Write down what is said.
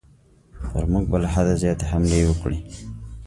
پر موږ به له حده زیاتې حملې وکړي.